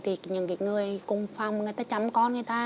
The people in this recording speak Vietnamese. thì những người cung phong người ta chăm con người ta